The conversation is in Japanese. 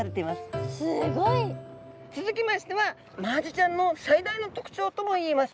すごい！続きましてはマアジちゃんの最大の特徴ともいえます